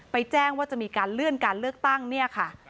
แจ้งว่าจะมีการเลื่อนการเลือกตั้งเนี่ยค่ะ